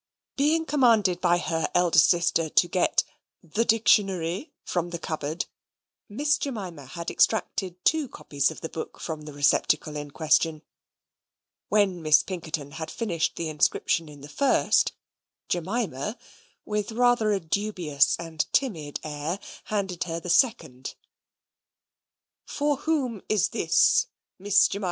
Being commanded by her elder sister to get "the Dictionary" from the cupboard, Miss Jemima had extracted two copies of the book from the receptacle in question. When Miss Pinkerton had finished the inscription in the first, Jemima, with rather a dubious and timid air, handed her the second. "For whom is this, Miss Jemima?"